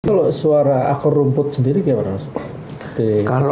kalau suara akar rumput sendiri gimana